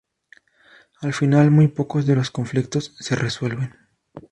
Al final, muy pocos de los conflictos se resuelven.